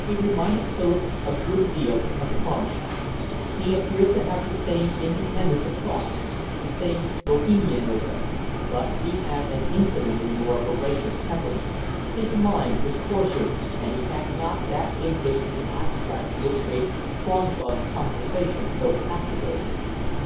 He reminded Philip a good deal of Cronshaw. He appeared to have the same independence of thought, the same bohemianism, but he had an infinitely more vivacious temperament; his mind was coarser, and he had not that interest in the abstract which made Cronshaw's conversation so captivating.